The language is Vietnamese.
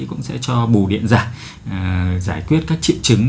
cũng sẽ cho bù điện giả giải quyết các triệu chứng